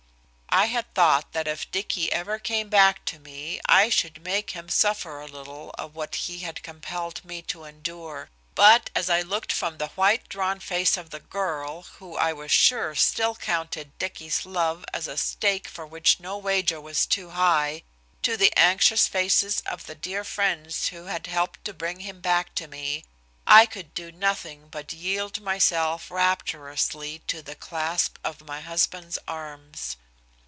I had thought that if Dicky ever came back me I should make him suffer a little of what he had compelled me to endure. But, as I looked from the white, drawn face of the girl, who I was sure still counted Dicky's love as a stake for which no wager was too high, to the anxious faces of the dear friends who had helped to bring him back to me, I could do nothing but yield myself rapturously to the clasp of my husband's arms.